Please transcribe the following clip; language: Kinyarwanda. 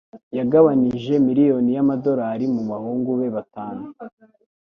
Yagabanije miliyoni y'amadolari mu bahungu be batanu